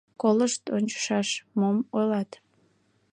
Колышт ончышаш, мом ойлат?